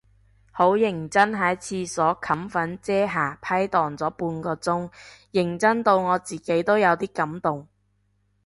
好認真喺廁所冚粉遮瑕批蕩咗半個鐘，認真到我自己都有啲感動